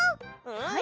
はい。